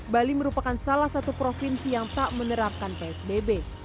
bali merupakan salah satu provinsi yang tak menerapkan psbb